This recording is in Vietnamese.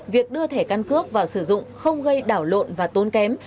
việc đưa thẻ căn cước vào sử dụng không gây đảo lộn và tốn kém